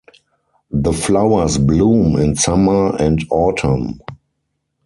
The flowers bloom in summer and autumn.